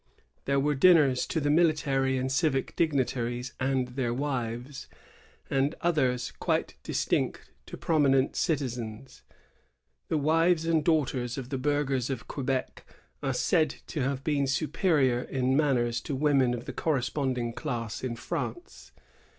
There were dinners to the military and civic digni taries and their wives, and others, quite distinct, to prominent citizens. The wives and daughters of the burghers of Quebec are said to have been superior in manners to women of the corresponding class in France.